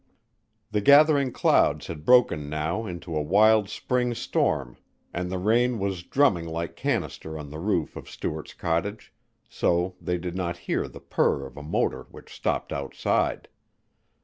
The gathering clouds had broken now into a wild spring storm and the rain was drumming like canister on the roof of Stuart's cottage, so they did not hear the purr of a motor which stopped outside.